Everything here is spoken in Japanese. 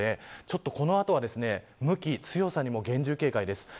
この後は向きと強さにも厳重警戒です。